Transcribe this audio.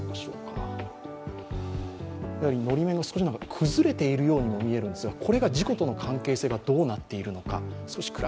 のり面が少し崩れているようにも見えるんですがこれが事故との関係性がどうなっているのか。